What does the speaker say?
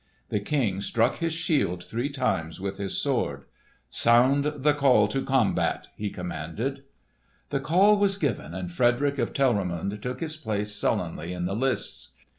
The King struck his shield three times with his sword. "Sound the call to combat!" he commanded. The call was given, and Frederick of Telramund took his place sullenly in the lists.